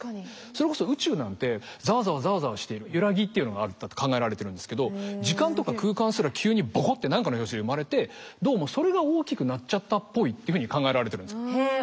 それこそ宇宙なんてザワザワザワザワしている揺らぎっていうのがあったと考えられているんですけど時間とか空間すら急にボコッて何かの拍子で生まれてどうもそれが大きくなっちゃったっぽいっていうふうに考えられているんです。